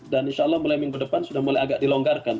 dan insya allah mulai minggu depan sudah mulai agak dilonggarkan